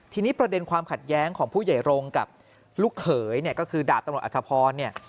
ทีนี้ประเด็นความขัดแย้งของผู้ใหญ่รงค์กับลูกเขยเนี่ยก็คือดาบตำรวจอัธพรเนี่ย